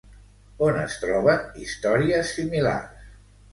On es troben històries similars?